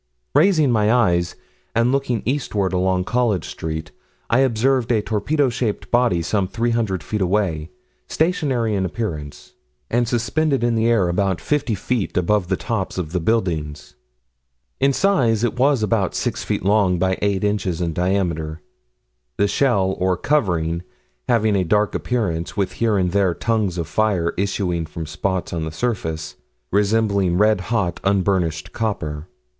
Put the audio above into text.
Raising my eyes, and looking eastward along College Street, I observed a torpedo shaped body, some 300 feet away, stationary in appearance, and suspended in the air, about 50 feet above the tops of the buildings. In size it was about 6 feet long by 8 inches in diameter, the shell, or covering, having a dark appearance, with here and there tongues of fire issuing from spots on the surface, resembling red hot, unburnished copper.